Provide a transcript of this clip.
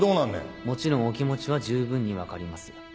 もちろんお気持ちは十分に分かります